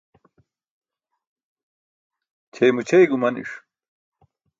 Ćʰeymo ćʰey gumaniṣ.